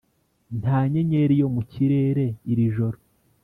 nta nyenyeri yo mu kirere iri joro,